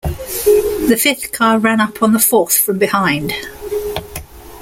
The fifth car ran up on the fourth from behind.